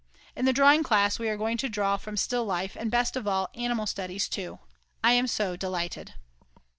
In the drawing class we are going to draw from still life, and, best of all, animal studies too, I am so delighted.